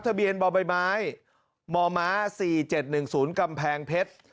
ทะเบียนบ่อใบไม้มม๔๗๑๐กำแพงเพชร